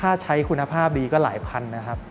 ถ้าใช้คุณภาพดีก็หลายพันนะครับ